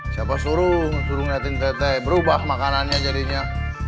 siapa suruh suruh ngeliatin tete berubah makanannya jadinya